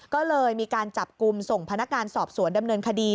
ก็เลยมีการจับกลุ่มส่งพนักงานสอบสวนดำเนินคดี